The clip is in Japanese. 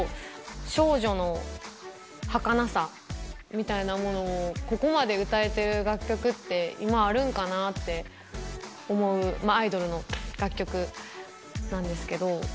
少女のはかなさみたいなものを、ここまで歌えてる楽曲って、今あるんかなって思うアイドルの楽曲なんですけど。